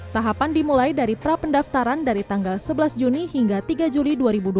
tahapan dimulai dari prapendaftaran dari tanggal sebelas juni hingga tiga juli dua ribu dua puluh